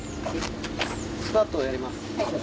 スクワットをやります。